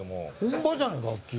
本場じゃない楽器。